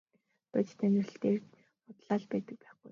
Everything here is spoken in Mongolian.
Бодит амьдрал дээр худлаа л байдаг байхгүй юу.